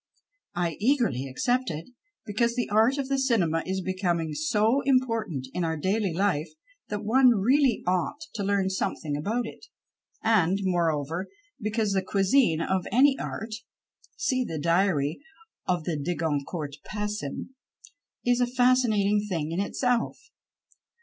I eagerly accepted, because the art of the " cinema " is becoming so important in our daily life that one really ought to learn something 216 THE SILENT STAGE about it, and, moreover, because the cuisine of any art (see the Diary of the De Goncourts passim) is a fascinating thing in itself.